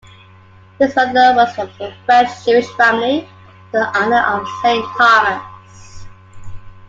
His mother was from a French-Jewish family from the island of Saint Thomas.